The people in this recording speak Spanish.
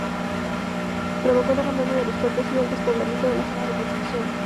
Provocó el abandono de los fuertes y el despoblamiento de la zona de Concepción.